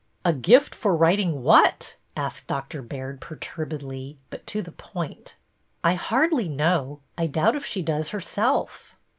''A gift for writing what?" asked Doctor Baird, perturbedly, but to the point. '' I hardly know. I doubt if she does herself."